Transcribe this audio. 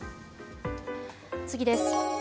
次です。